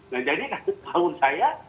nah jadi kalau menurut saya